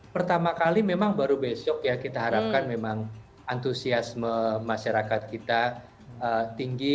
pertama kali memang baru besok ya kita harapkan memang antusiasme masyarakat kita tinggi